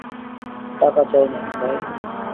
টাকা চাই না, ভাই।